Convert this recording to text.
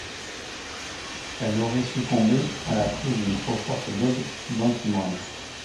Elle aurait succombé à la prise d'une trop forte dose d'antimoine.